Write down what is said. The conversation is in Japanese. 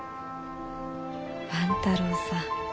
万太郎さん。